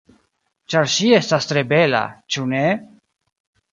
Ĉar ŝi estas tre bela, ĉu ne?